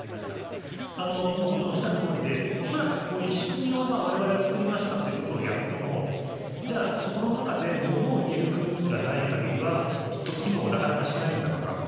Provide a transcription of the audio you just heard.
本当におっしゃるとおりで恐らくこういう仕組みを我々が作りましたという事をやってもじゃあそこの中でものを言える空気がない限りはきっと機能をなかなかしないんだろうなと。